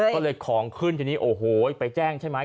ก็เลยของขึ้นทีนี้โอ้โหไปแจ้งใช่ไหม